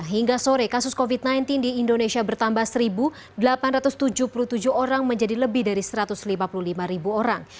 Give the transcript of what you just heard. hingga sore kasus covid sembilan belas di indonesia bertambah satu delapan ratus tujuh puluh tujuh orang menjadi lebih dari satu ratus lima puluh lima orang